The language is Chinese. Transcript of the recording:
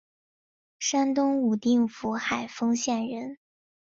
山东武定府海丰县人。